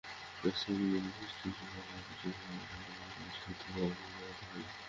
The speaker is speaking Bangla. প্রেসক্লাব, ইঞ্জিনিয়ার্স ইনস্টিটিউশন ও শাহবাগের শিশুপার্কের সামনের পদচারী সেতু ভবঘুরেদের দখলে।